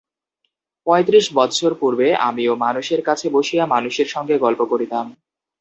পঁয়ত্রিশ বৎসর পূর্বে আমিও মানুষের কাছে বসিয়া মানুষের সঙ্গে গল্প করিতাম।